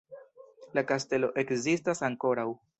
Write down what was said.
La kastelo ekzistas ankoraŭ.